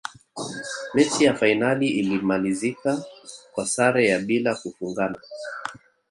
mechi ya fainali ilimalizika kwa sare ya bila kufungana